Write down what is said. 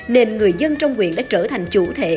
nên người dân trong quyện đã trở thành chủ thể